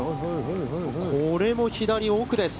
これも左奥です。